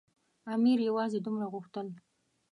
امیر یوازې دومره غوښتل.